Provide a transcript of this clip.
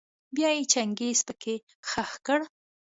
بيا يې چنګېز پکي خښ کړ.